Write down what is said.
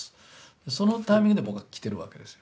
そのタイミングで僕は来てるわけですよ。